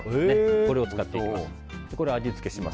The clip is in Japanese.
これを使っていきます。